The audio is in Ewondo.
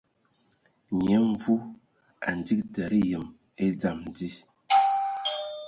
Nyia Mvu a ndzi kig tǝdǝ yǝm e dzam dí.